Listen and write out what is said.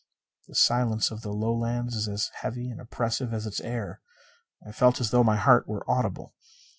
The silence of the Lowlands is as heavy and oppressive as its air. I felt as though my heart were audible.